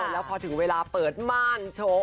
แล้วพอถึงเวลาเปิดม่านโชว์